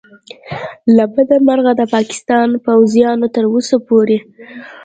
له بده مرغه د پاکستان پوځیانو تر اوسه پورې